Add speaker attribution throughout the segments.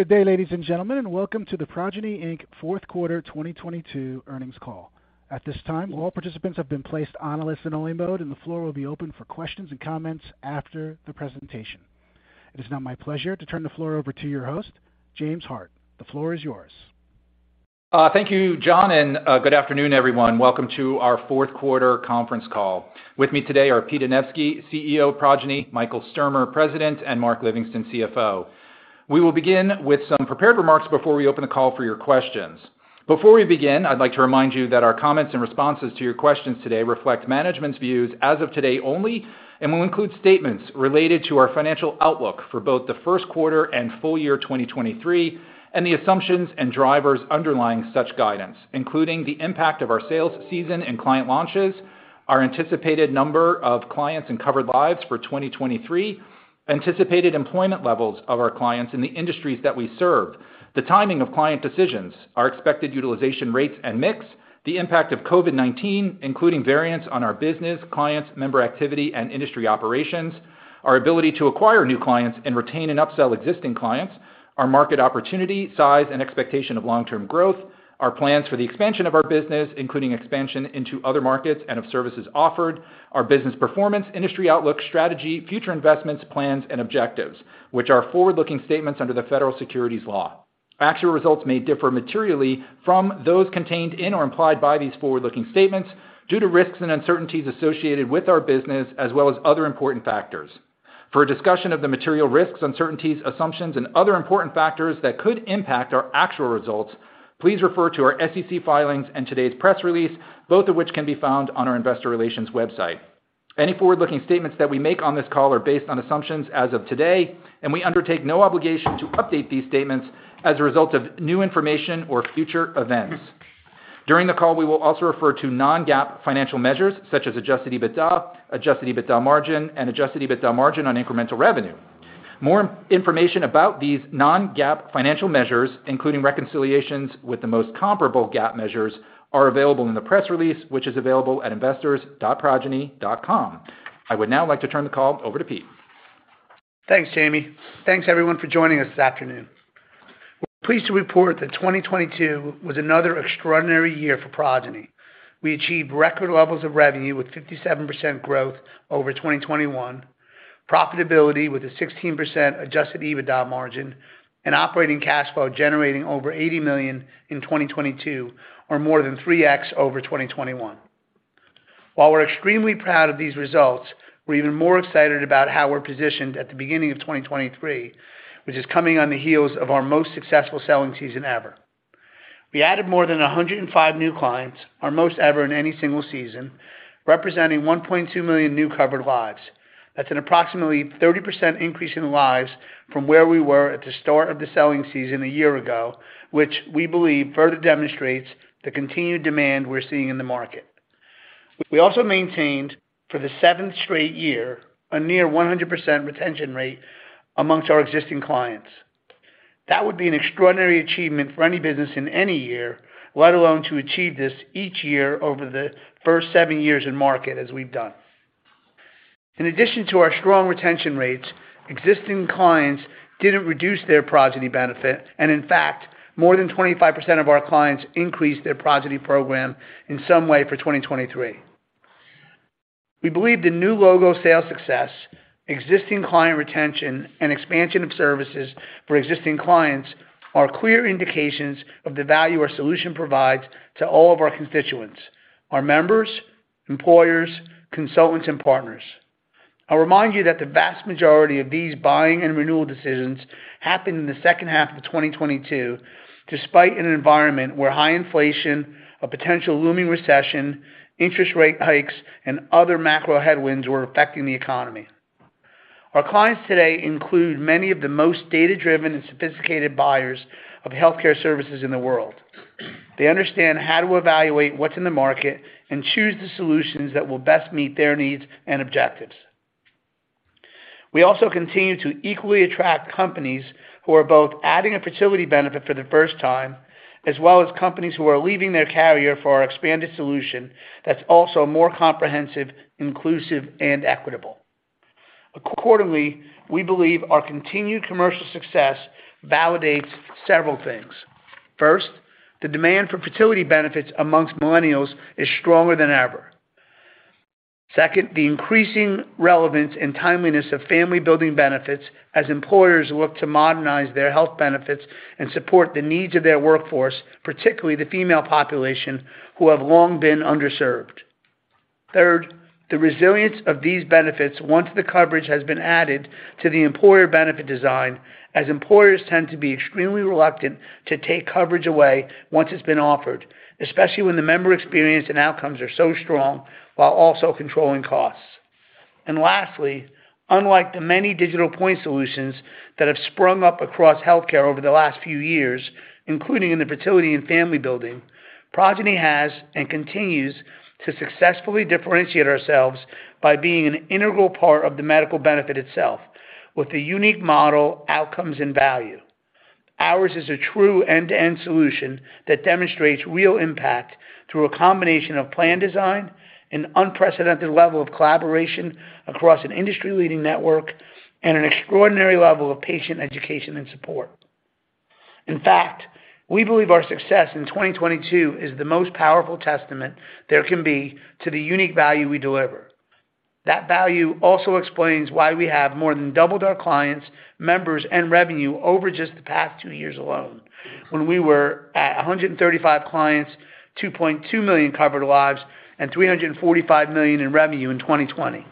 Speaker 1: Good day, ladies and gentlemen, and welcome to the Progyny, Inc Fourth Quarter 2022 Earnings Call. At this time, all participants have been placed on a listen only mode, and the floor will be open for questions and comments after the presentation. It is now my pleasure to turn the floor over to your host, James Hart. The floor is yours.
Speaker 2: Thank you, John, and good afternoon, everyone. Welcome to our fourth quarter conference call. With me today are Peter Anevski, CEO of Progyny, Michael Sturmer, President, and Mark Livingston, CFO. We will begin with some prepared remarks before we open the call for your questions. Before we begin, I'd like to remind you that our comments and responses to your questions today reflect management's views as of today only and will include statements related to our financial outlook for both the first quarter and full year 2023, and the assumptions and drivers underlying such guidance, including the impact of our sales season and client launches, our anticipated number of clients and covered lives for 2023, anticipated employment levels of our clients in the industries that we serve, the timing of client decisions. Our expected utilization rates and mix, the impact of COVID-19, including variants on our business, clients, member activity, and industry operations, our ability to acquire new clients and retain and upsell existing clients, our market opportunity, size, and expectation of long-term growth, our plans for the expansion of our business, including expansion into other markets and of services offered, our business performance, industry outlook, strategy, future investments, plans and objectives, which are forward-looking statements under the federal securities laws. Actual results may differ materially from those contained in or implied by these forward-looking statements due to risks and uncertainties associated with our business, as well as other important factors. For a discussion of the material risks, uncertainties, assumptions, and other important factors that could impact our actual results, please refer to our SEC filings and today's press release, both of which can be found on our investor relations website. Any forward-looking statements that we make on this call are based on assumptions as of today. We undertake no obligation to update these statements as a result of new information or future events. During the call, we will also refer to non-GAAP financial measures such as Adjusted EBITDA, Adjusted EBITDA margin, and Adjusted EBITDA margin on incremental revenue. More information about these non-GAAP financial measures, including reconciliations with the most comparable GAAP measures, are available in the press release, which is available at investors.progyny.com. I would now like to turn the call over to Pete.
Speaker 3: Thanks, Jamie. Thanks everyone for joining us this afternoon. We're pleased to report that 2022 was another extraordinary year for Progyny. We achieved record levels of revenue with 57% growth over 2021, profitability with a 16% Adjusted EBITDA margin and operating cash flow generating over $80 million in 2022, or more than 3x over 2021. While we're extremely proud of these results, we're even more excited about how we're positioned at the beginning of 2023, which is coming on the heels of our most successful selling season ever. We added more than 105 new clients, our most ever in any single season, representing 1.2 million new covered lives. That's an approximately 30% increase in lives from where we were at the start of the selling season a year ago, which we believe further demonstrates the continued demand we're seeing in the market. We also maintained for the seventh straight year a near 100% retention rate among our existing clients. That would be an extraordinary achievement for any business in any year, let alone to achieve this each year over the first seven years in market as we've done. In addition to our strong retention rates, existing clients didn't reduce their Progyny benefit, and in fact, more than 25% of our clients increased their Progyny program in some way for 2023. We believe the new logo sales success, existing client retention and expansion of services for existing clients are clear indications of the value our solution provides to all of our constituents, our members, employers, consultants and partners. I'll remind you that the vast majority of these buying and renewal decisions happened in the second half of 2022, despite an environment where high inflation, a potential looming recession, interest rate hikes, and other macro headwinds were affecting the economy. Our clients today include many of the most data-driven and sophisticated buyers of healthcare services in the world. They understand how to evaluate what's in the market and choose the solutions that will best meet their needs and objectives. We also continue to equally attract companies who are both adding a fertility benefit for the first time, as well as companies who are leaving their carrier for our expanded solution that's also more comprehensive, inclusive and equitable. Quarterly, we believe our continued commercial success validates several things. First, the demand for fertility benefits amongst millennials is stronger than ever. Second, the increasing relevance and timeliness of family building benefits as employers look to modernize their health benefits and support the needs of their workforce, particularly the female population, who have long been underserved. Third, the resilience of these benefits once the coverage has been added to the employer benefit design, as employers tend to be extremely reluctant to take coverage away once it's been offered, especially when the member experience and outcomes are so strong while also controlling costs. Lastly, unlike the many digital point solutions that have sprung up across healthcare over the last few years, including in the fertility and family building, Progyny has and continues to successfully differentiate ourselves by being an integral part of the medical benefit itself with a unique model, outcomes, and value. Ours is a true end-to-end solution that demonstrates real impact through a combination of plan design and unprecedented level of collaboration across an industry-leading network and an extraordinary level of patient education and support. In fact, we believe our success in 2022 is the most powerful testament there can be to the unique value we deliver. That value also explains why we have more than doubled our clients, members, and revenue over just the past two years alone when we were at 135 clients, 2.2 million covered lives, and $345 million in revenue in 2020.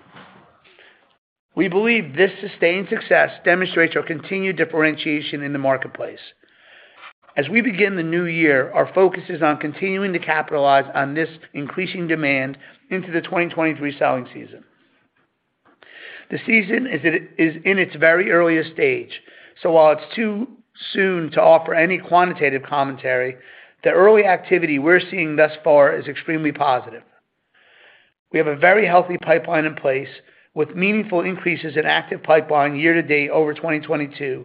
Speaker 3: We believe this sustained success demonstrates our continued differentiation in the marketplace. As we begin the new year, our focus is on continuing to capitalize on this increasing demand into the 2023 selling season. The season is in its very earliest stage, so while it's too soon to offer any quantitative commentary, the early activity we're seeing thus far is extremely positive. We have a very healthy pipeline in place with meaningful increases in active pipeline year to date over 2022,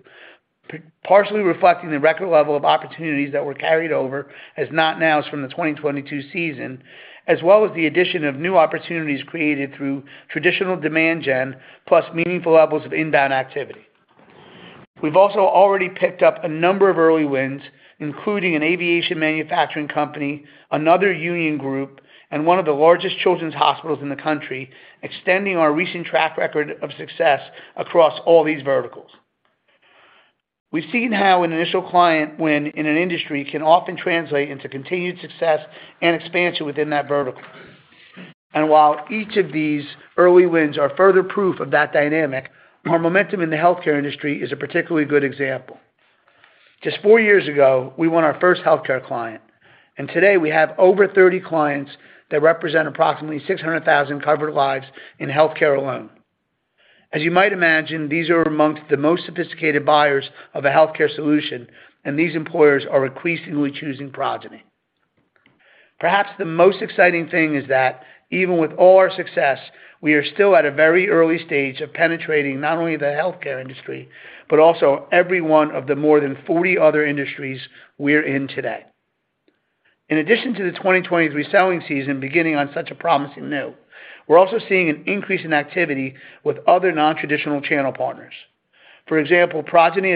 Speaker 3: partially reflecting the record level of opportunities that were carried over as not nows from the 2022 season, as well as the addition of new opportunities created through traditional demand gen plus meaningful levels of inbound activity. We've also already picked up a number of early wins, including an aviation manufacturing company, another union group, and one of the largest children's hospitals in the country, extending our recent track record of success across all these verticals. We've seen how an initial client win in an industry can often translate into continued success and expansion within that vertical. While each of these early wins are further proof of that dynamic, our momentum in the healthcare industry is a particularly good example. Just four years ago, we won our first healthcare client. Today we have over 30 clients that represent approximately 600,000 covered lives in healthcare alone. As you might imagine, these are amongst the most sophisticated buyers of a healthcare solution. These employers are increasingly choosing Progyny. Perhaps the most exciting thing is that even with all our success, we are still at a very early stage of penetrating not only the healthcare industry, but also every one of the more than 40 other industries we're in today. In addition to the 2023 selling season beginning on such a promising note, we're also seeing an increase in activity with other non-traditional channel partners. For example, Progyny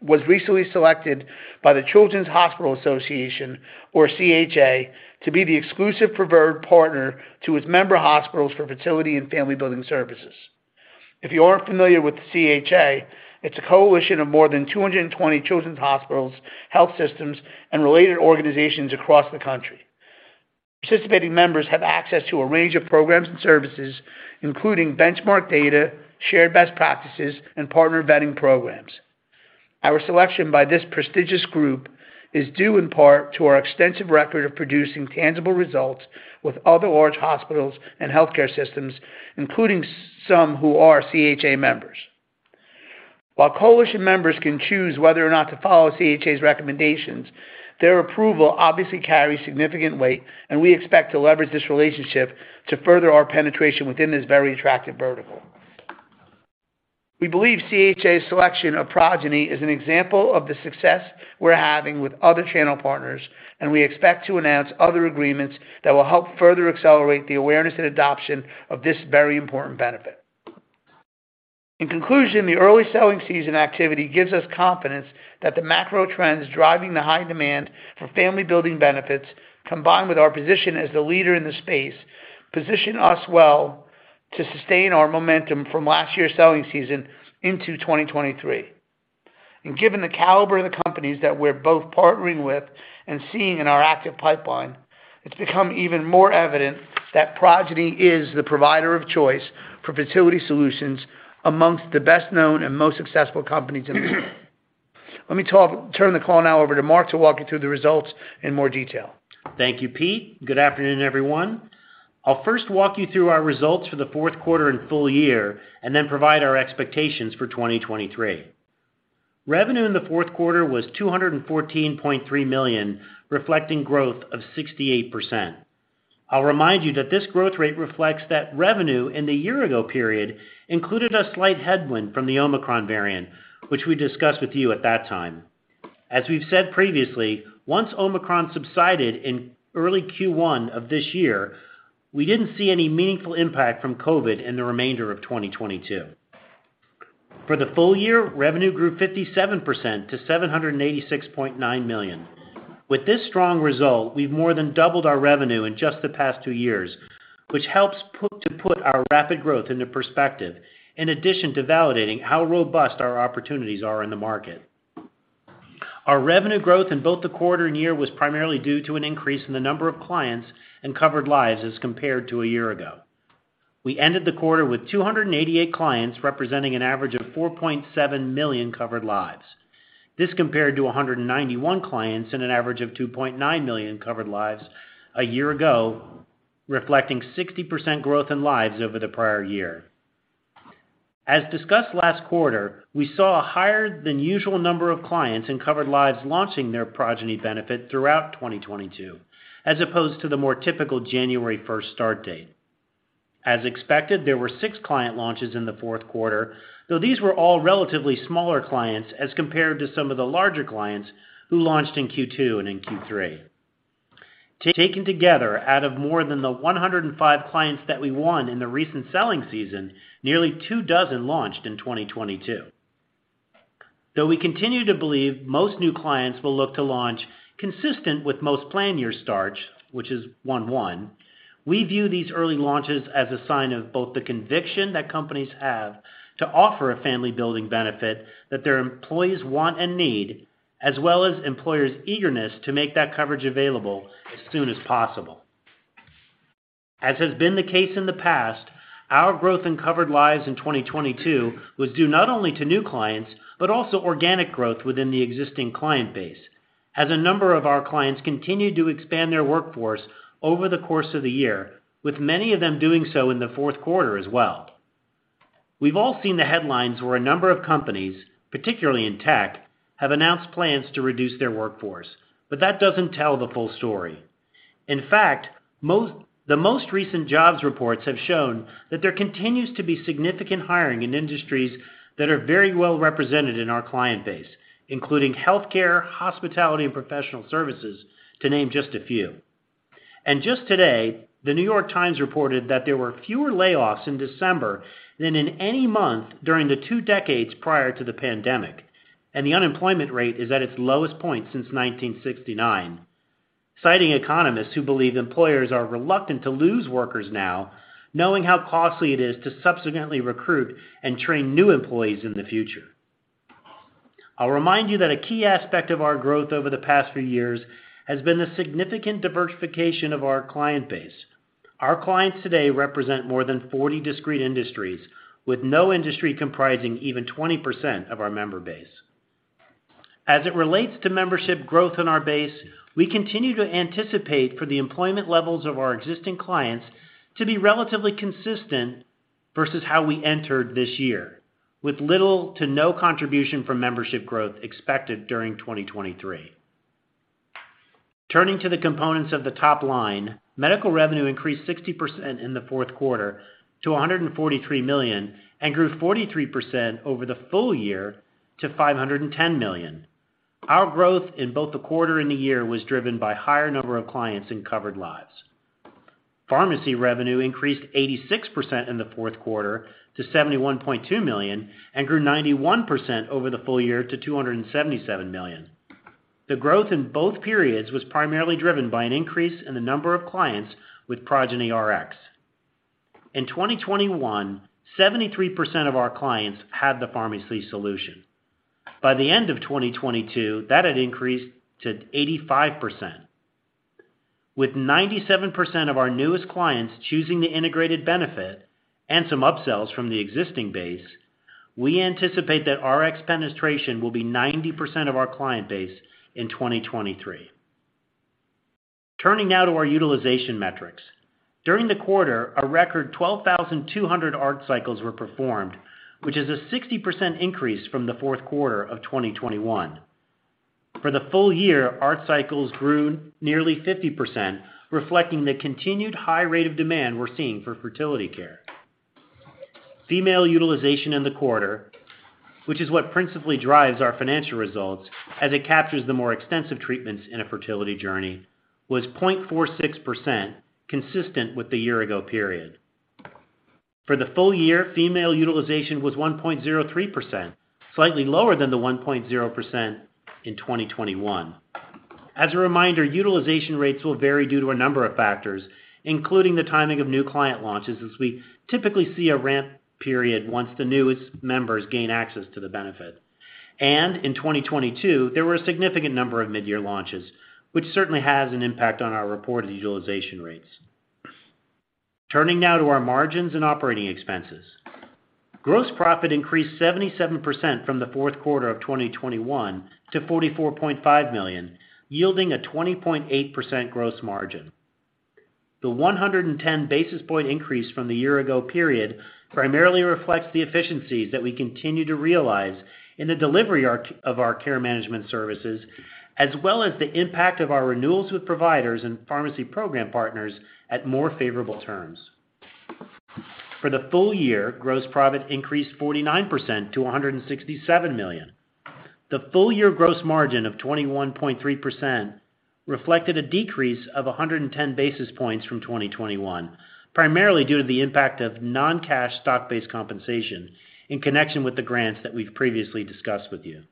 Speaker 3: was recently selected by the Children's Hospital Association, or CHA, to be the exclusive preferred partner to its member hospitals for fertility and family building services. If you aren't familiar with the CHA, it's a coalition of more than 220 children's hospitals, health systems, and related organizations across the country. Participating members have access to a range of programs and services, including benchmark data, shared best practices, and partner vetting programs. Our selection by this prestigious group is due in part to our extensive record of producing tangible results with other large hospitals and healthcare systems, including some who are CHA members. While coalition members can choose whether or not to follow CHA's recommendations, their approval obviously carries significant weight, and we expect to leverage this relationship to further our penetration within this very attractive vertical. We believe CHA's selection of Progyny is an example of the success we're having with other channel partners, and we expect to announce other agreements that will help further accelerate the awareness and adoption of this very important benefit. In conclusion, the early selling season activity gives us confidence that the macro trends driving the high demand for family building benefits, combined with our position as the leader in the space, position us well to sustain our momentum from last year's selling season into 2023. Given the caliber of the companies that we're both partnering with and seeing in our active pipeline, it's become even more evident that Progyny is the provider of choice for fertility solutions amongst the best known and most successful companies in the world. Let me turn the call now over to Mark to walk you through the results in more detail.
Speaker 4: Thank you, Pete. Good afternoon, everyone. I'll first walk you through our results for the fourth quarter and full year and then provide our expectations for 2023. Revenue in the fourth quarter was $214.3 million, reflecting growth of 68%. I'll remind you that this growth rate reflects that revenue in the year ago period included a slight headwind from the Omicron variant, which we discussed with you at that time. As we've said previously, once Omicron subsided in early Q1 of this year, we didn't see any meaningful impact from COVID in the remainder of 2022. For the full year, revenue grew 57% to $786.9 million. With this strong result, we've more than doubled our revenue in just the past two years, which helps to put our rapid growth into perspective, in addition to validating how robust our opportunities are in the market. Our revenue growth in both the quarter and year was primarily due to an increase in the number of clients and covered lives as compared to a year ago. We ended the quarter with 288 clients, representing an average of 4.7 million covered lives. This compared to 191 clients and an average of 2.9 million covered lives a year ago, reflecting 60% growth in lives over the prior year. As discussed last quarter, we saw a higher than usual number of clients in covered lives launching their Progyny benefit throughout 2022, as opposed to the more typical January 1st start date. As expected, there were six client launches in the fourth quarter, though these were all relatively smaller clients as compared to some of the larger clients who launched in Q2 and in Q3. Taken together out of more than the 105 clients that we won in the recent selling season, nearly two dozen launched in 2022. Though we continue to believe most new clients will look to launch consistent with most plan year starts, which is 1/1, we view these early launches as a sign of both the conviction that companies have to offer a family building benefit that their employees want and need, as well as employers eagerness to make that coverage available as soon as possible. Our growth in covered lives in 2022 was due not only to new clients, but also organic growth within the existing client base. A number of our clients continued to expand their workforce over the course of the year, with many of them doing so in the fourth quarter as well. We've all seen the headlines where a number of companies, particularly in tech, have announced plans to reduce their workforce, that doesn't tell the full story. In fact, the most recent jobs reports have shown that there continues to be significant hiring in industries that are very well represented in our client base, including healthcare, hospitality, and professional services, to name just a few. Just today, The New York Times reported that there were fewer layoffs in December than in any month during the two decades prior to the pandemic. The unemployment rate is at its lowest point since 1969. Citing economists who believe employers are reluctant to lose workers now, knowing how costly it is to subsequently recruit and train new employees in the future. I'll remind you that a key aspect of our growth over the past few years has been the significant diversification of our client base. Our clients today represent more than 40 discrete industries, with no industry comprising even 20% of our member base. As it relates to membership growth in our base, we continue to anticipate for the employment levels of our existing clients to be relatively consistent versus how we entered this year, with little to no contribution from membership growth expected during 2023. Turning to the components of the top line, medical revenue increased 60% in the fourth quarter to $143 million, and grew 43% over the full year to $510 million. Our growth in both the quarter and the year was driven by higher number of clients in covered lives. Pharmacy revenue increased 86% in the fourth quarter to $71.2 million, grew 91% over the full year to $277 million. The growth in both periods was primarily driven by an increase in the number of clients with Progyny Rx. In 2021, 73% of our clients had the pharmacy solution. By the end of 2022, that had increased to 85%. With 97% of our newest clients choosing the integrated benefit and some upsells from the existing base, we anticipate that Rx penetration will be 90% of our client base in 2023. Turning now to our utilization metrics. During the quarter, a record 12,200 ART cycles were performed, which is a 60% increase from the fourth quarter of 2021. For the full year, ART cycles grew nearly 50%, reflecting the continued high rate of demand we're seeing for fertility care. Female utilization in the quarter, which is what principally drives our financial results as it captures the more extensive treatments in a fertility journey, was 0.46%, consistent with the year ago period. For the full year, female utilization was 1.03%, slightly lower than the 1.0% in 2021. As a reminder, utilization rates will vary due to a number of factors, including the timing of new client launches, as we typically see a ramp period once the newest members gain access to the benefit. In 2022, there were a significant number of mid-year launches, which certainly has an impact on our reported utilization rates. Turning now to our margins and operating expenses. Gross profit increased 77% from the fourth quarter of 2021 to $44.5 million, yielding a 20.8% gross margin. The 110 basis point increase from the year ago period primarily reflects the efficiencies that we continue to realize in the delivery of our care management services, as well as the impact of our renewals with providers and pharmacy program partners at more favorable terms. For the full year, gross profit increased 49% to $167 million. The full year gross margin of 21.3% reflected a decrease of 110 basis points from 2021, primarily due to the impact of non-cash stock-based compensation in connection with the grants that we've previously discussed with you.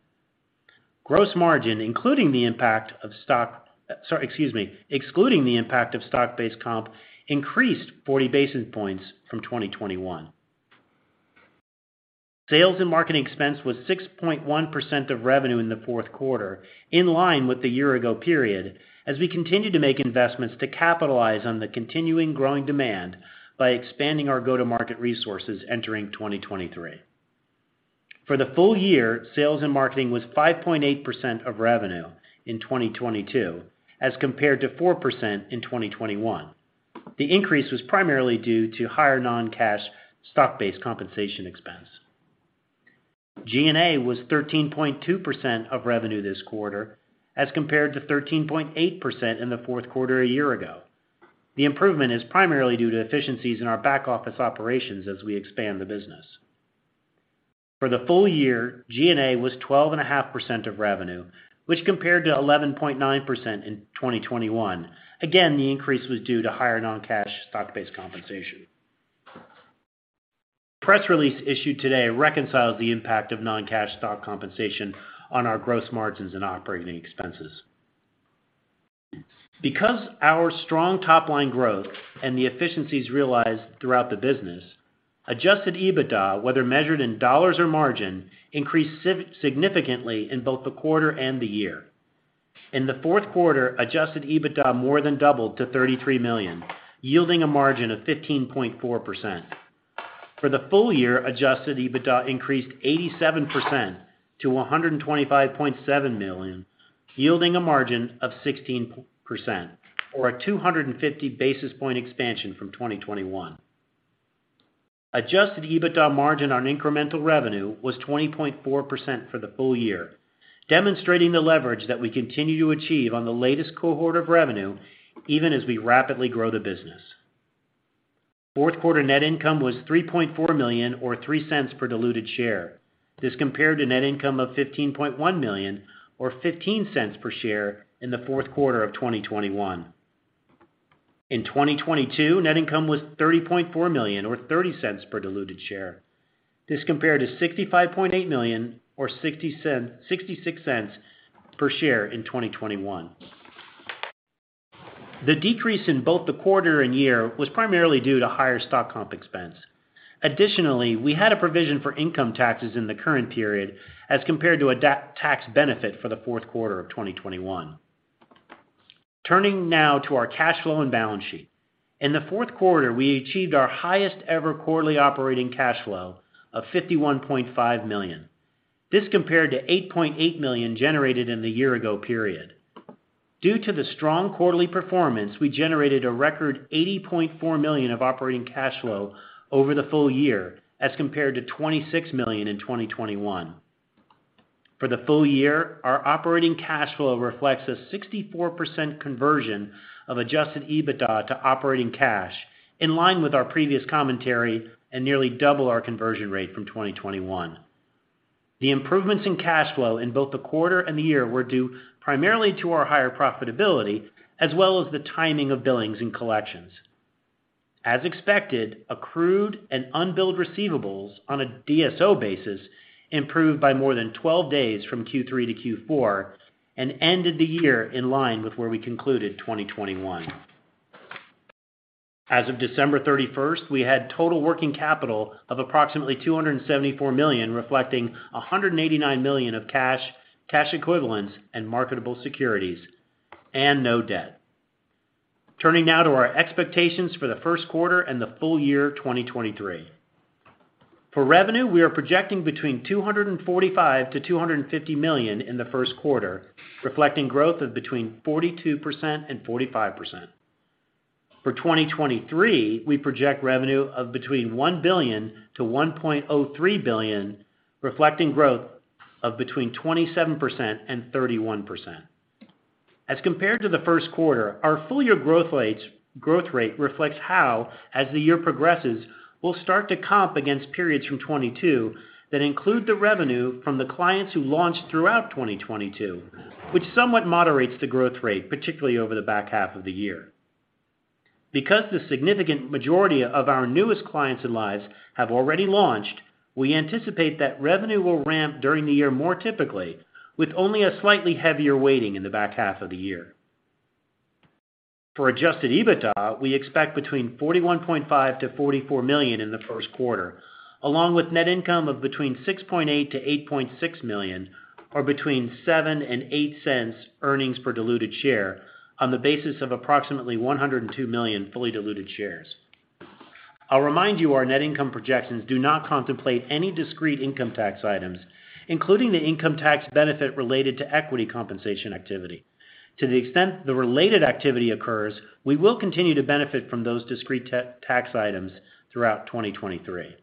Speaker 4: Gross margin, including the impact of stock... Sorry, excuse me, excluding the impact of stock-based comp, increased 40 basis points from 2021. Sales and marketing expense was 6.1% of revenue in the fourth quarter, in line with the year ago period, as we continue to make investments to capitalize on the continuing growing demand by expanding our go-to-market resources entering 2023. For the full year, sales and marketing was 5.8% of revenue in 2022, as compared to 4% in 2021. The increase was primarily due to higher non-cash stock-based compensation expense. G&A was 13.2% of revenue this quarter, as compared to 13.8% in the fourth quarter a year ago. The improvement is primarily due to efficiencies in our back-office operations as we expand the business. For the full year, G&A was 12.5% of revenue, which compared to 11.9% in 2021. Again, the increase was due to higher non-cash stock-based compensation. Press release issued today reconciled the impact of non-cash stock compensation on our gross margins and operating expenses. Because our strong top-line growth and the efficiencies realized throughout the business, Adjusted EBITDA, whether measured in dollars or margin, increased significantly in both the quarter and the year. In the fourth quarter, Adjusted EBITDA more than doubled to $33 million, yielding a margin of 15.4%. For the full year, Adjusted EBITDA increased 87% to $125.7 million, yielding a margin of 16% or a 250 basis point expansion from 2021. Adjusted EBITDA margin on incremental revenue was 20.4% for the full year, demonstrating the leverage that we continue to achieve on the latest cohort of revenue even as we rapidly grow the business. Fourth quarter net income was $3.4 million or $0.03 per diluted share. This compared to net income of $15.1 million or $0.15 per share in the fourth quarter of 2021. In 2022, net income was $30.4 million or $0.30 per diluted share. This compared to $65.8 million or $0.66 per share in 2021. The decrease in both the quarter and year was primarily due to higher stock comp expense. We had a provision for income taxes in the current period as compared to a tax benefit for the fourth quarter of 2021. Turning now to our cash flow and balance sheet. In the fourth quarter, we achieved our highest-ever quarterly operating cash flow of $51.5 million. This compared to $8.8 million generated in the year-ago period. Due to the strong quarterly performance, we generated a record $80.4 million of operating cash flow over the full year, as compared to $26 million in 2021. For the full year, our operating cash flow reflects a 64% conversion of Adjusted EBITDA to operating cash, in line with our previous commentary and nearly double our conversion rate from 2021. The improvements in cash flow in both the quarter and the year were due primarily to our higher profitability as well as the timing of billings and collections. As expected, accrued and unbilled receivables on a DSO basis improved by more than 12 days from Q3 to Q4 and ended the year in line with where we concluded 2021. As of December 31st, we had total working capital of approximately $274 million, reflecting $189 million of cash equivalents and marketable securities, and no debt. Turning now to our expectations for the first quarter and the full year 2023. For revenue, we are projecting between $245 million and $250 million in the first quarter, reflecting growth of between 42% and 45%. For 2023, we project revenue of between $1 billion-$1.03 billion, reflecting growth of between 27% and 31%. As compared to the first quarter, our full year growth rate reflects how, as the year progresses, we'll start to comp against periods from 2022 that include the revenue from the clients who launched throughout 2022, which somewhat moderates the growth rate, particularly over the back half of the year. Because the significant majority of our newest clients and lives have already launched, we anticipate that revenue will ramp during the year more typically, with only a slightly heavier weighting in the back half of the year. For Adjusted EBITDA, we expect between $41.5 million-$44 million in the first quarter, along with net income of between $6.8 million-$8.6 million, or between $0.07 and $0.08 earnings per diluted share on the basis of approximately 102 million fully diluted shares. I'll remind you our net income projections do not contemplate any discrete income tax items, including the income tax benefit related to equity compensation activity. To the extent the related activity occurs, we will continue to benefit from those discrete tax items throughout 2023.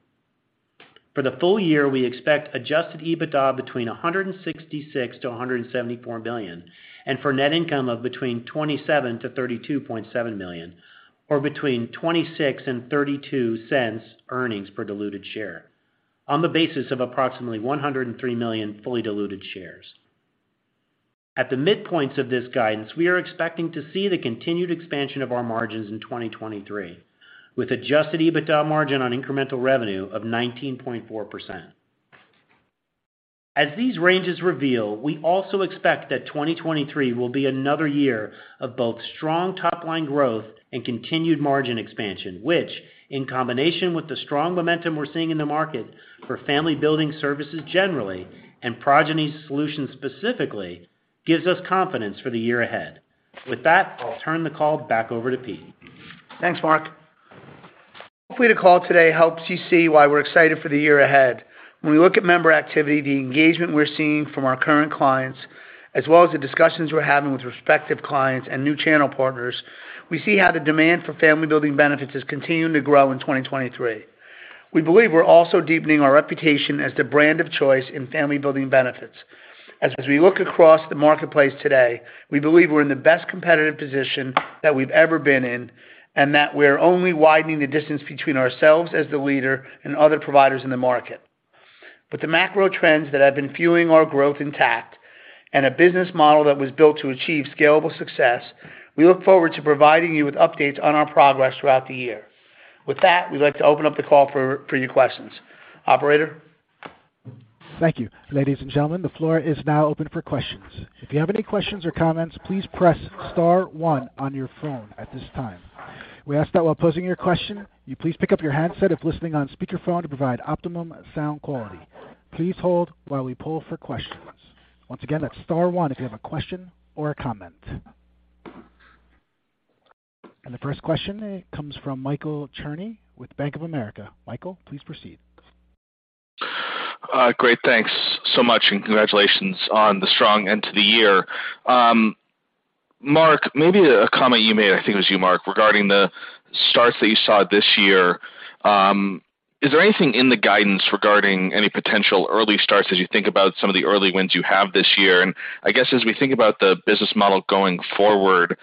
Speaker 4: For the full year, we expect Adjusted EBITDA between $166 million-$174 million, for net income of between $27 million-$32.7 million, or between $0.26 and $0.32 earnings per diluted share on the basis of approximately 103 million fully diluted shares. At the midpoints of this guidance, we are expecting to see the continued expansion of our margins in 2023, with Adjusted EBITDA margin on incremental revenue of 19.4%. As these ranges reveal, we also expect that 2023 will be another year of both strong top-line growth and continued margin expansion, which, in combination with the strong momentum we're seeing in the market for family building services generally and Progyny solutions specifically, gives us confidence for the year ahead. With that, I'll turn the call back over to Pete.
Speaker 3: Thanks, Mark. Hopefully, the call today helps you see why we're excited for the year ahead. When we look at member activity, the engagement we're seeing from our current clients, as well as the discussions we're having with prospective clients and new channel partners, we see how the demand for family building benefits is continuing to grow in 2023. We believe we're also deepening our reputation as the brand of choice in family-building benefits. As we look across the marketplace today, we believe we're in the best competitive position that we've ever been in, and that we're only widening the distance between ourselves as the leader and other providers in the market. The macro trends that have been fueling our growth intact and a business model that was built to achieve scalable success, we look forward to providing you with updates on our progress throughout the year. With that, we'd like to open up the call for your questions. Operator?
Speaker 1: Thank you. Ladies and gentlemen, the floor is now open for questions. If you have any questions or comments, please press star one on your phone at this time. We ask that while posing your question, you please pick up your handset of listening on speaker phone to provide optimum sound quality. Please hold while we pull for questions. Once again, that's star one if you have a question or a comment. The first question comes from Michael Cherny with Bank of America. Michael, please proceed.
Speaker 5: Great. Thanks so much. Congratulations on the strong end to the year. Mark, maybe a comment you made, I think it was you, Mark, regarding the starts that you saw this year. Is there anything in the guidance regarding any potential early starts as you think about some of the early wins you have this year? I guess as we think about the business model going forward,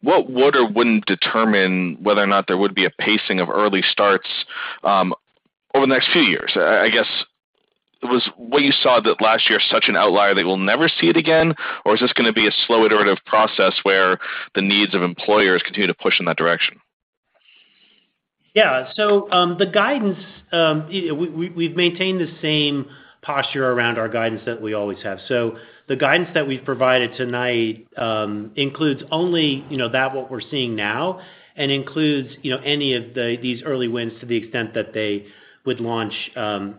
Speaker 5: what would or wouldn't determine whether or not there would be a pacing of early starts over the next few years? I guess was what you saw that last year such an outlier that we'll never see it again, or is this going to be a slow iterative process where the needs of employers continue to push in that direction?
Speaker 4: Yeah. The guidance, you know, we've maintained the same posture around our guidance that we always have. The guidance that we've provided tonight, includes only, you know, that what we're seeing now and includes, you know, any of these early wins to the extent that they would launch,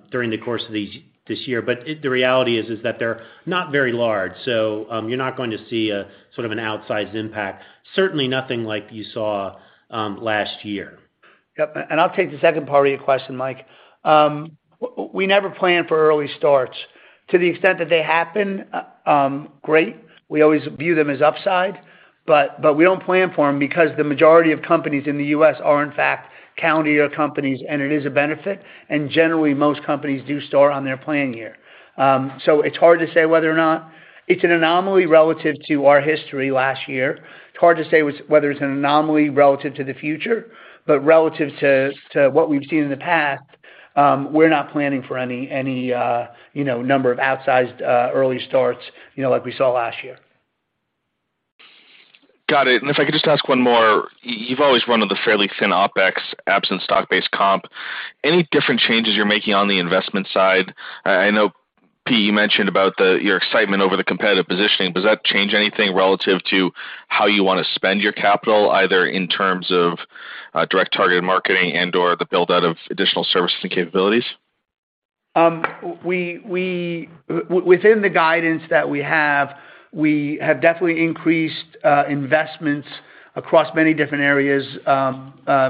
Speaker 4: during the course of this year. The reality is that they're not very large, so you're not going to see a sort of an outsized impact. Certainly nothing like you saw last year.
Speaker 3: Yep. I'll take the second part of your question, Mike. We never plan for early starts. To the extent that they happen, great. We always view them as upside, but we don't plan for them because the majority of companies in the U.S. are in fact self-funded companies, and it is a benefit. Generally, most companies do start on their plan year. It's hard to say whether or not it's an anomaly relative to our history last year. It's hard to say whether it's an anomaly relative to the future, but relative to what we've seen in the past, we're not planning for any, you know, number of outsized early starts, you know, like we saw last year.
Speaker 5: Got it. If I could just ask one more. You've always run with a fairly thin OpEx absent stock-based comp. Any different changes you're making on the investment side? I know, Peter, you mentioned about the... Your excitement over the competitive positioning. Does that change anything relative to how you wanna spend your capital, either in terms of direct targeted marketing and/or the build-out of additional services and capabilities?
Speaker 3: Within the guidance that we have, we have definitely increased investments across many different areas,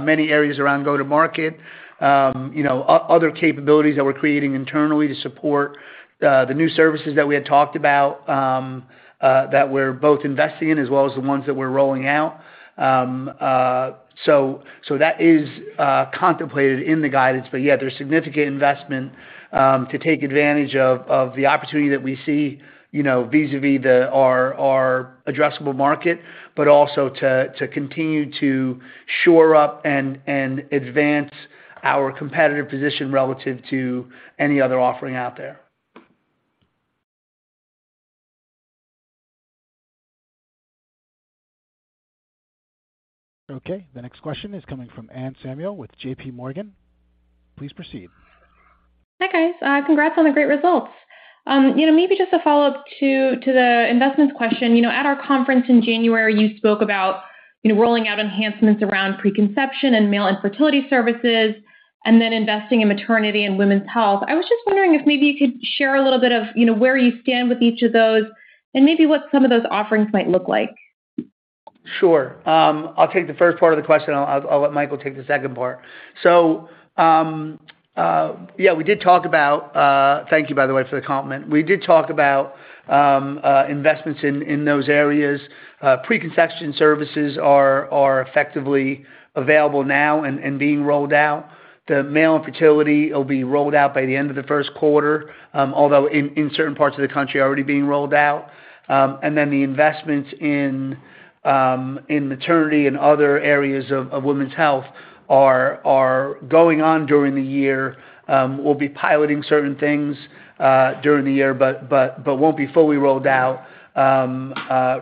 Speaker 3: many areas around go-to-market, you know, other capabilities that we're creating internally to support the new services that we had talked about, that we're both investing in as well as the ones that we're rolling out. That is contemplated in the guidance. Yeah, there's significant investment to take advantage of the opportunity that we see, you know, vis-à-vis our addressable market, but also to continue to shore up and advance our competitive position relative to any other offering out there.
Speaker 1: Okay. The next question is coming from Anne Samuel with JPMorgan. Please proceed.
Speaker 6: Hi, guys. Congrats on the great results. You know, maybe just a follow-up to the investments question. You know, at our conference in January, you spoke about, you know, rolling out enhancements around preconception and male infertility services, and then investing in maternity and women's health. I was just wondering if maybe you could share a little bit of, you know, where you stand with each of those and maybe what some of those offerings might look like.
Speaker 3: Sure. I'll take the first part of the question. I'll let Michael take the second part. Yeah, we did talk about... Thank you, by the way, for the compliment. We did talk about investments in those areas. Preconception services are effectively available now and being rolled out. The male infertility will be rolled out by the end of the first quarter, although in certain parts of the country are already being rolled out. And then the investments in maternity and other areas of women's health are going on during the year. We'll be piloting certain things during the year, but won't be fully rolled out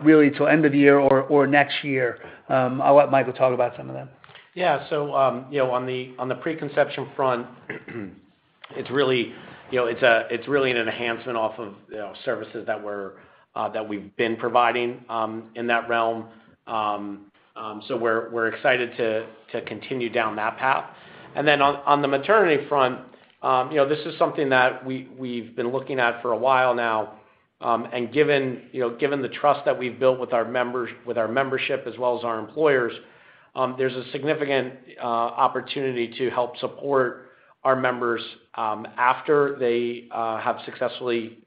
Speaker 3: really till end of the year or next year. I'll let Michael talk about some of that.
Speaker 7: Yeah. You know, on the preconception front, it's really, you know, it's really an enhancement off of, you know, services that we're that we've been providing in that realm. We're excited to continue down that path. Then on the maternity front, you know, this is something that we've been looking at for a while now. Given, you know, given the trust that we've built with our membership as well as our employers… There's a significant opportunity to help support our members after they have successfully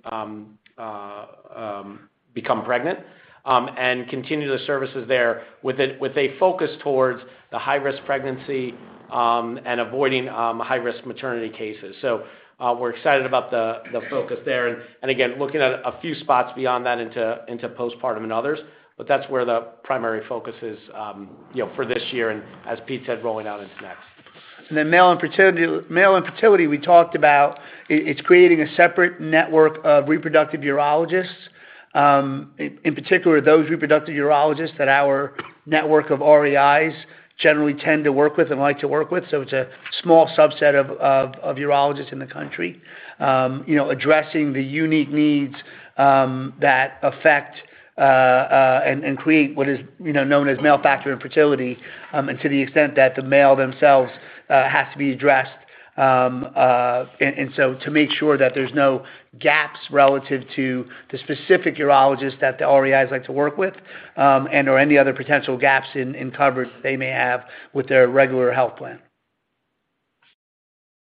Speaker 7: become pregnant and continue the services there with a, with a focus towards the high-risk pregnancy and avoiding high-risk maternity cases. We're excited about the focus there, and again, looking at a few spots beyond that into postpartum and others. That's where the primary focus is, you know, for this year and as Pete said, rolling out into next.
Speaker 3: Male infertility, we talked about it's creating a separate network of reproductive urologists. In particular, those reproductive urologists that our network of REIs generally tend to work with and like to work with. It's a small subset of urologists in the country. You know, addressing the unique needs that affect and create what is, you know, known as male factor infertility, and to the extent that the male themselves has to be addressed and so to make sure that there's no gaps relative to the specific urologist that the REIs like to work with, and or any other potential gaps in coverage they may have with their regular health plan.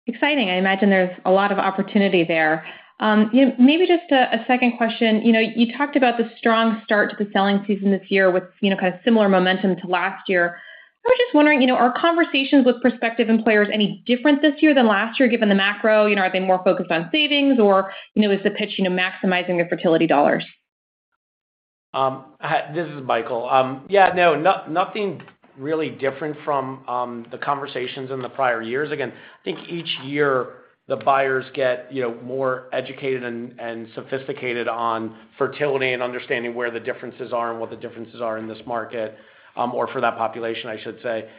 Speaker 6: Exciting. I imagine there's a lot of opportunity there. You know, maybe just a second question. You talked about the strong start to the selling season this year with, you know, kind of similar momentum to last year. I was just wondering, you know, are conversations with prospective employers any different this year than last year, given the macro? Are they more focused on savings or, you know, is the pitch, you know, maximizing their fertility dollars?
Speaker 7: This is Michael. Yeah, nothing really different from the conversations in the prior years. Again, I think each year the buyers get, you know, more educated and sophisticated on fertility and understanding where the differences are and what the differences are in this market, or for that population, I should say.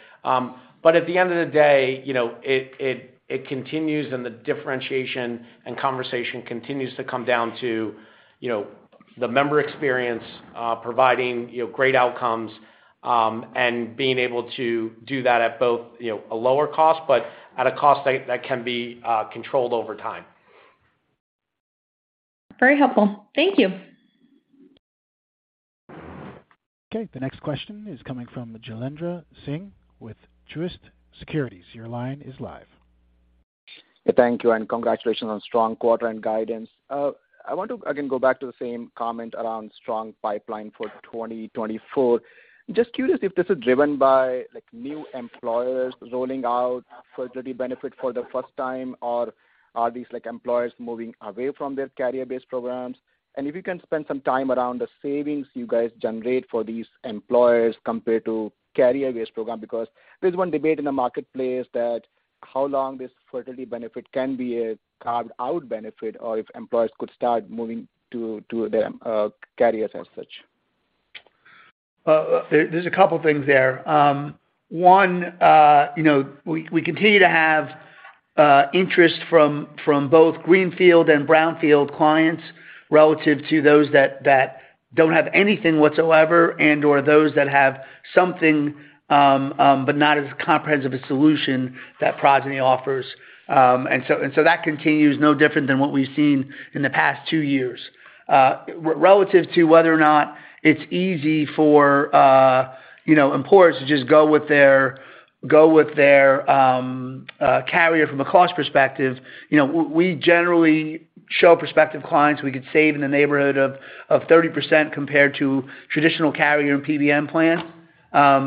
Speaker 7: But at the end of the day, you know, it continues and the differentiation and conversation continues to come down to, you know, the member experience, providing, you know, great outcomes, and being able to do that at both, you know, a lower cost, but at a cost that can be controlled over time.
Speaker 6: Very helpful. Thank you.
Speaker 1: Okay. The next question is coming from Jailendra Singh with Truist Securities. Your line is live.
Speaker 8: Thank you. Congratulations on strong quarter-end guidance. I want to again go back to the same comment around strong pipeline for 2024. Just curious if this is driven by, like, new employers rolling out fertility benefit for the first time, or are these, like, employers moving away from their carrier-based programs? If you can spend some time around the savings you guys generate for these employers compared to carrier-based program, because there's one debate in the marketplace that how long this fertility benefit can be a carved-out benefit or if employers could start moving to the carriers as such.
Speaker 3: There's a couple things there. One, you know, we continue to have interest from both greenfield and brownfield clients relative to those that don't have anything whatsoever and/or those that have something, but not as comprehensive a solution that Progyny offers. That continues no different than what we've seen in the past two years. Relative to whether or not it's easy for, you know, employers to just go with their carrier from a cost perspective, you know, we generally show prospective clients we could save in the neighborhood of 30% compared to traditional carrier and PBM plan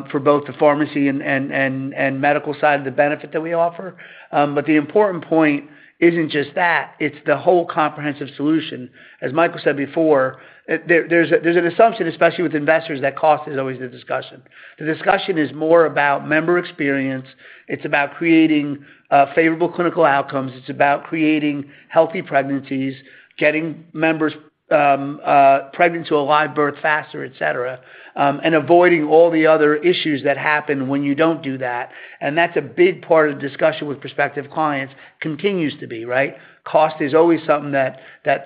Speaker 3: for both the pharmacy and medical side of the benefit that we offer. The important point isn't just that, it's the whole comprehensive solution. As Michael said before, there's an assumption, especially with investors, that cost is always the discussion. The discussion is more about member experience. It's about creating favorable clinical outcomes. It's about creating healthy pregnancies, getting members pregnant to a live birth faster, et cetera, and avoiding all the other issues that happen when you don't do that. That's a big part of the discussion with prospective clients, continues to be, right? Cost is always something that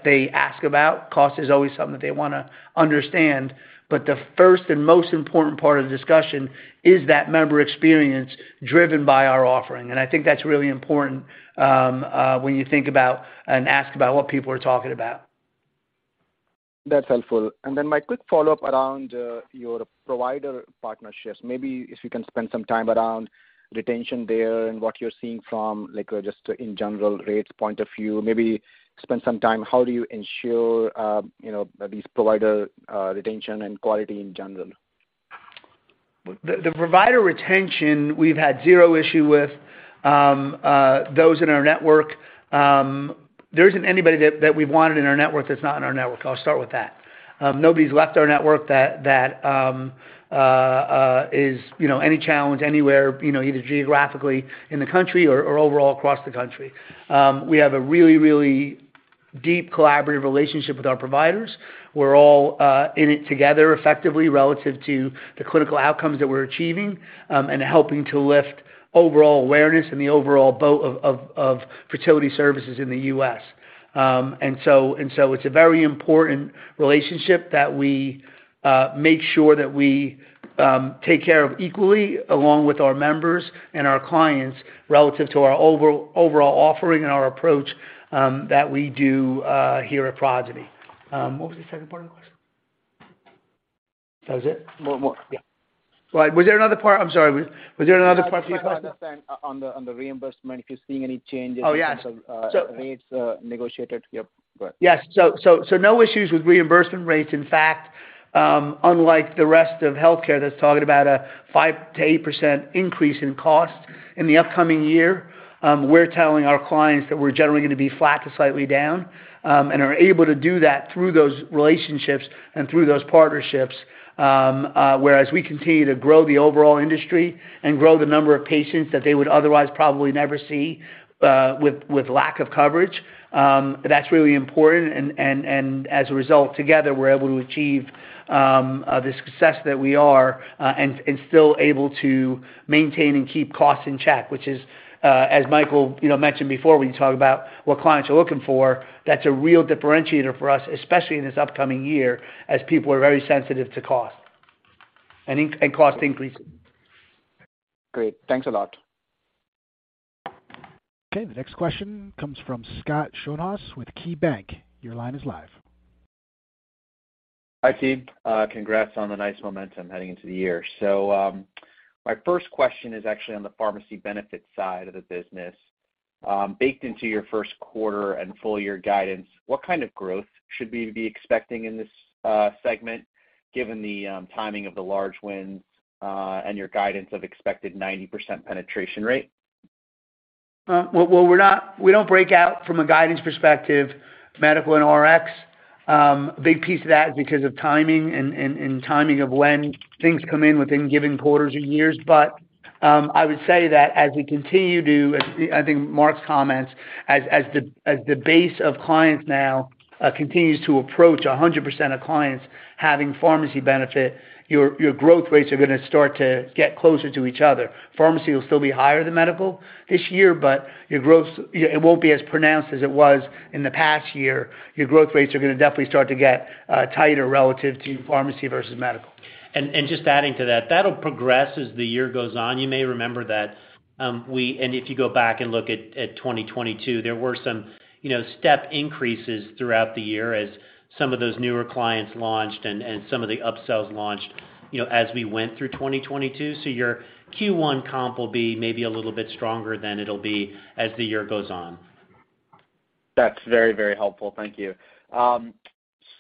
Speaker 3: they ask about. Cost is always something that they wanna understand. The first and most important part of the discussion is that member experience driven by our offering. I think that's really important when you think about and ask about what people are talking about.
Speaker 8: That's helpful. Then my quick follow-up around your provider partnerships. Maybe if you can spend some time around retention there and what you're seeing from, like, just in general rates point of view. Maybe spend some time, how do you ensure, you know, these provider retention and quality in general?
Speaker 3: The provider retention, we've had zero issue with those in our network. There isn't anybody that we wanted in our network that's not in our network. I'll start with that. Nobody's left our network that is, you know, any challenge anywhere, you know, either geographically in the country or overall across the country. We have a really, really deep collaborative relationship with our providers. We're all in it together effectively relative to the clinical outcomes that we're achieving, and helping to lift overall awareness and the overall boat of fertility services in the U.S. It's a very important relationship that we make sure that we take care of equally along with our members and our clients relative to our overall offering and our approach that we do here at Progyny. What was the second part of the question? That was it?
Speaker 4: More, more. Yeah.
Speaker 3: Right. Was there another part? I'm sorry. Was there another part to your question?
Speaker 4: I'm trying to understand on the reimbursement, if you're seeing any changes?
Speaker 3: Oh, yeah....
Speaker 4: In terms of rates negotiated. Yep. Go ahead.
Speaker 3: Yes. No issues with reimbursement rates. In fact, unlike the rest of healthcare that's talking about a 5%-8% increase in cost in the upcoming year, we're telling our clients that we're generally gonna be flat to slightly down, and are able to do that through those relationships and through those partnerships, whereas we continue to grow the overall industry and grow the number of patients that they would otherwise probably never see, with lack of coverage. That's really important and as a result, together, we're able to achieve the success that we are, and still able to maintain and keep costs in check, which is as Michael, you know, mentioned before, when you talk about what clients are looking for, that's a real differentiator for us, especially in this upcoming year, as people are very sensitive to cost and cost increases.
Speaker 8: Great. Thanks a lot.
Speaker 1: Okay. The next question comes from Scott Schoenhaus with KeyBanc. Your line is live.
Speaker 9: Hi, team. Congrats on the nice momentum heading into the year. My first question is actually on the pharmacy benefit side of the business. Baked into your first quarter and full year guidance, what kind of growth should we be expecting in this segment, given the timing of the large wins, and your guidance of expected 90% penetration rate?
Speaker 3: Well, we don't break out from a guidance perspective, medical and Rx. A big piece of that is because of timing and timing of when things come in within given quarters or years. I would say that as we continue to, as, I think Mark's comments, as the base of clients now continues to approach 100% of clients having pharmacy benefit, your growth rates are going to start to get closer to each other. Pharmacy will still be higher than medical this year, but it won't be as pronounced as it was in the past year. Your growth rates are going to definitely start to get tighter relative to pharmacy versus medical.
Speaker 4: Just adding to that'll progress as the year goes on. You may remember that, if you go back and look at 2022, there were some, you know, step increases throughout the year as some of those newer clients launched and some of the upsells launched, you know, as we went through 2022. Your Q1 comp will be maybe a little bit stronger than it'll be as the year goes on.
Speaker 9: That's very, very helpful. Thank you.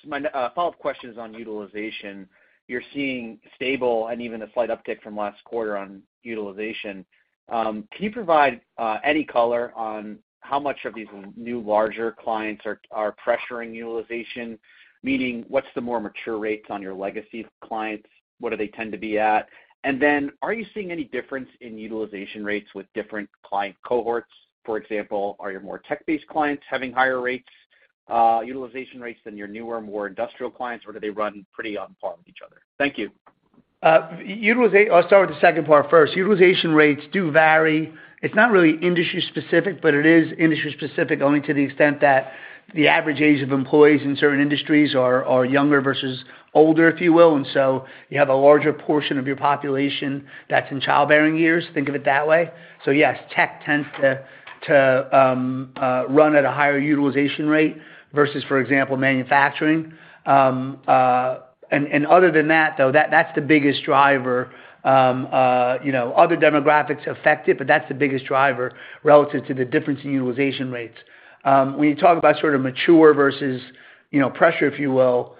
Speaker 9: My follow-up question is on utilization. You're seeing stable and even a slight uptick from last quarter on utilization. Can you provide any color on how much of these new larger clients are pressuring utilization? Meaning, what's the more mature rates on your legacy clients? What do they tend to be at? Are you seeing any difference in utilization rates with different client cohorts? For example, are your more tech-based clients having higher rates, utilization rates than your newer, more industrial clients? Or do they run pretty on par with each other? Thank you.
Speaker 3: I'll start with the second part first. Utilization rates do vary. It's not really industry specific, but it is industry specific only to the extent that the average age of employees in certain industries are younger versus older, if you will. You have a larger portion of your population that's in childbearing years. Think of it that way. Yes, tech tends to run at a higher utilization rate versus, for example, manufacturing. Other than that, though, that's the biggest driver. You know, other demographics affect it, but that's the biggest driver relative to the difference in utilization rates. When you talk about sort of mature versus, you know, pressure, if you will,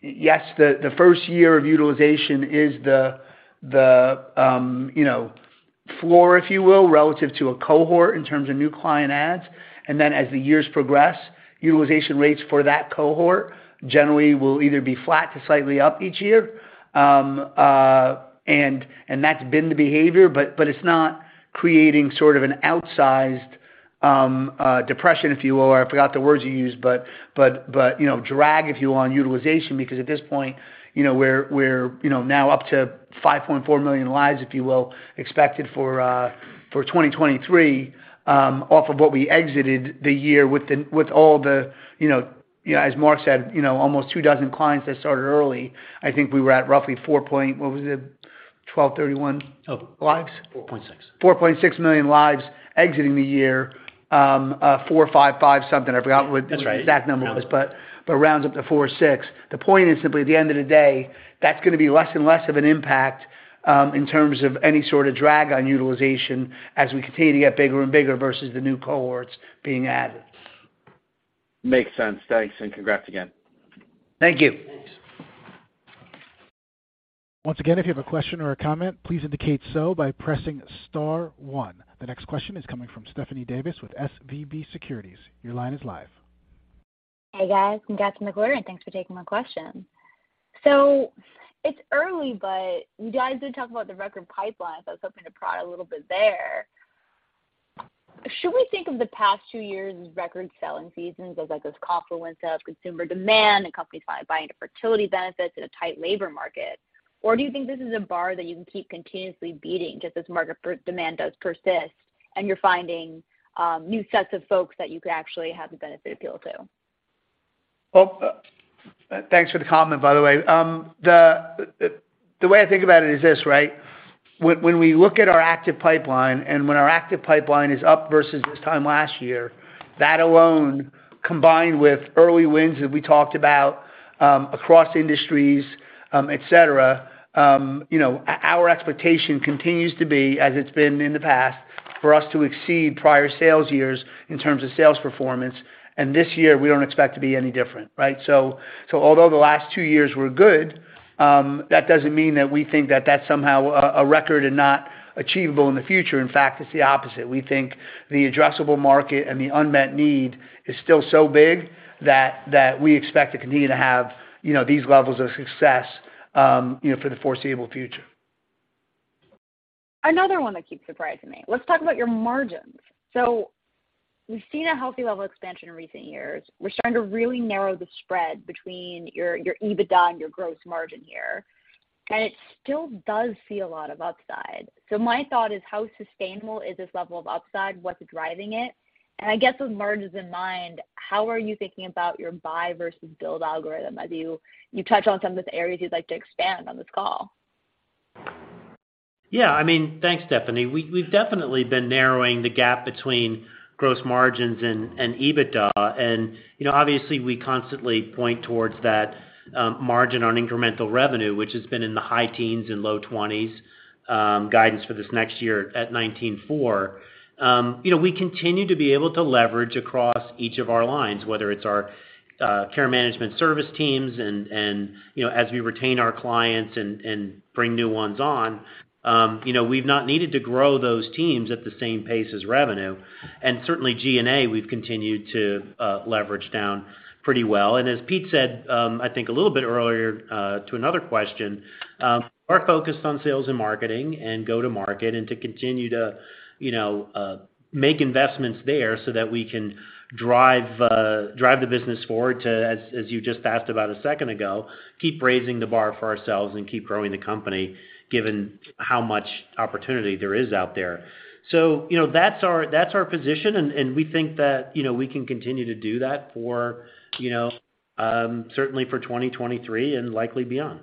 Speaker 3: yes, the first year of utilization is the, you know, floor, if you will, relative to a cohort in terms of new client adds. As the years progress, utilization rates for that cohort generally will either be flat to slightly up each year. That's been the behavior, but it's not creating sort of an outsized, depression, if you will. I forgot the words you used, but, you know, drag, if you will, on utilization, because at this point, you know, we're, you know, now up to 5.4 million lives, if you will, expected for 2023, off of what we exited the year with all the, you know, as Mark said, you know, almost two dozen clients that started early. I think we were at roughly four point... What was it? 1,231 lives.
Speaker 4: 4.6.
Speaker 3: 4.6 million lives exiting the year. 455 something. I forgot what the exact number was.
Speaker 4: That's right.
Speaker 3: It rounds up to 46. The point is simply at the end of the day, that's gonna be less and less of an impact, in terms of any sort of drag on utilization as we continue to get bigger and bigger versus the new cohorts being added.
Speaker 9: Makes sense. Thanks, and congrats again.
Speaker 3: Thank you.
Speaker 4: Thanks.
Speaker 1: Once again, if you have a question or a comment, please indicate so by pressing star one. The next question is coming from Stephanie Davis with SVB Securities. Your line is live.
Speaker 10: Hey, guys. Congrats on the quarter. Thanks for taking my question. It's early, but you guys did talk about the record pipeline, so I was hoping to prod a little bit there. Should we think of the past two years as record selling seasons as like this confluence of consumer demand and companies buying into fertility benefits in a tight labor market, or do you think this is a bar that you can keep continuously beating just as market demand does persist and you're finding new sets of folks that you could actually have the benefit appeal to?
Speaker 3: Well, thanks for the comment, by the way. The way I think about it is this, right? When we look at our active pipeline and when our active pipeline is up versus this time last year, that alone, combined with early wins that we talked about, across industries, et cetera, you know, our expectation continues to be as it's been in the past, for us to exceed prior sales years in terms of sales performance. This year, we don't expect to be any different, right? Although the last two years were good, that doesn't mean that we think that that's somehow a record and not achievable in the future. In fact, it's the opposite. We think the addressable market and the unmet need is still so big that we expect to continue to have, you know, these levels of success, you know, for the foreseeable future.
Speaker 10: Another one that keeps surprising me. Let's talk about your margins. We've seen a healthy level expansion in recent years. We're starting to really narrow the spread between your EBITDA and your gross margin here, and it still does see a lot of upside. My thought is how sustainable is this level of upside? What's driving it? I guess with margins in mind, how are you thinking about your buy versus build algorithm? You touched on some of the areas you'd like to expand on this call.
Speaker 4: Yeah. I mean, thanks, Stephanie. We've definitely been narrowing the gap between gross margins and EBITDA. You know, obviously, we constantly point towards that margin on incremental revenue, which has been in the high teens and low 20s, guidance for this next year at 19.4%. You know, we continue to be able to leverage across each of our lines, whether it's our care management service teams, and, you know, as we retain our clients and bring new ones on, you know, we've not needed to grow those teams at the same pace as revenue. Certainly G&A, we've continued to leverage down pretty well. As Pete said, I think a little bit earlier to another question, we're focused on sales and marketing and go-to-market and to continue to make investments there so that we can drive the business forward to, as you just asked about a second ago, keep raising the bar for ourselves and keep growing the company given how much opportunity there is out there. You know, that's our position, and we think that we can continue to do that for certainly for 2023 and likely beyond.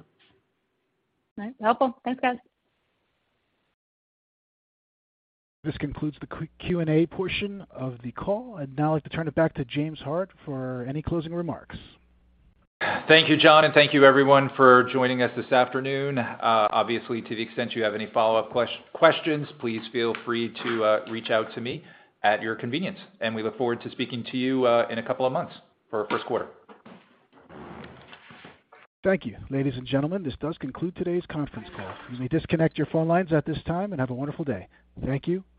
Speaker 10: All right. Helpful. Thanks, guys.
Speaker 1: This concludes the Q&A portion of the call. I'd now like to turn it back to James Hart for any closing remarks.
Speaker 2: Thank you, John, and thank you everyone for joining us this afternoon. Obviously, to the extent you have any follow-up questions, please feel free to reach out to me at your convenience. We look forward to speaking to you in a couple of months for our first quarter.
Speaker 1: Thank you. Ladies and gentlemen, this does conclude today's conference call. You may disconnect your phone lines at this time and have a wonderful day. Thank you for your participation.